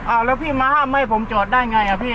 อ้าวแล้วพี่มาห้ามให้ผมจอดได้ไงอ่ะพี่